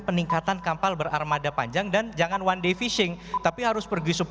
peningkatan kapal berarmada panjang dan jangan one day fishing tapi harus pergi